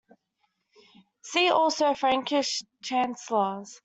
See also Frankish Chancellors.